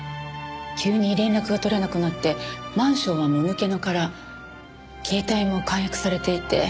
急に連絡が取れなくなってマンションはもぬけの殻携帯も解約されていて。